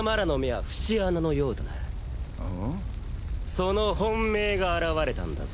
その本命が現れたんだぞ。